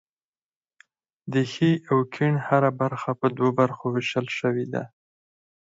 د ښي او کیڼ هره برخه په دوو برخو ویشل شوې ده.